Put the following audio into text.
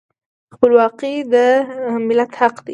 خپلواکي د ملت حق دی.